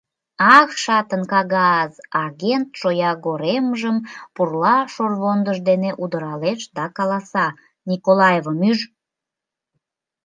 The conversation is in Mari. — Ах, шатын кагаз! — агент шоягоремжым пурла «шорвондыж» дене удыралеш да каласа: — Николаевым ӱж...